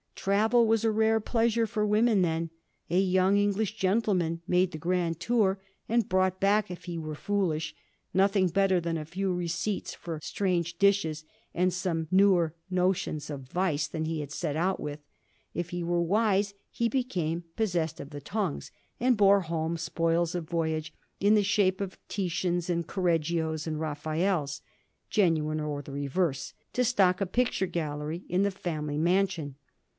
Travel was a rare pleasure for women then. A young English gentleman made the grand tour, and brought back, if he were foolish, nothing better than a few re ceipts for strange dishes, and some newer notions of vice than he had set out with ; if he were wise he be came ' possessed of the tongues,' and bore home spoils of voyage in the shape of Titians, and Correggios, and Raphaels — ^genuine or the reverse — to stock a picture gallery in the femily mansion.